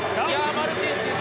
マルテンス選手